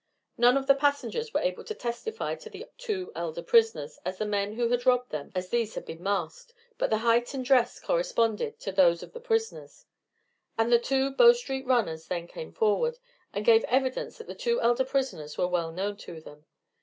None of the passengers were able to testify to the two elder prisoners as the men who had robbed them, as these had been masked, but the height and dress corresponded to those of the prisoners; and the two Bow Street runners then came forward, and gave evidence that the two elder prisoners were well known to them.